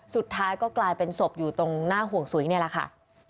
สุดท้ายก็กลายเป็นศพอยู่ตรงหน้าห่วงสุยนี่แหละค่ะ